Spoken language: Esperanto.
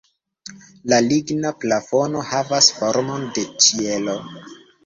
La ligna plafono havas formon de ĉielo.